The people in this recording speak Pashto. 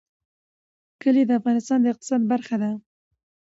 کلي د افغانستان د اقتصاد برخه ده.